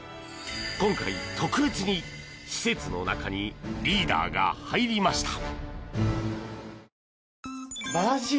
今回、特別に施設の中にリーダーが入りました。